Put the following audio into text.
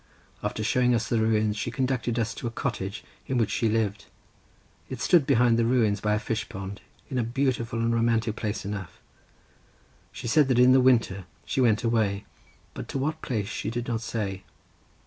After showing us the ruins she conducted us to a cottage in which she lived; it stood behind the ruins by a fishpond, in a beautiful and romantic place enough—she said that in the winter she went away, but to what place she did not say.